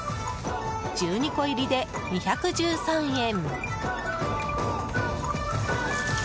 １２個入りで２１３円。